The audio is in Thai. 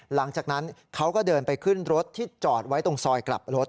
หลังจากนั้นเขาก็เดินไปขึ้นรถที่จอดไว้ตรงซอยกลับรถ